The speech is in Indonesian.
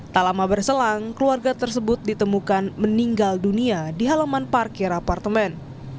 tak lama berselang keluarga tersebut ditemukan meninggal dunia di halaman parkir apartemen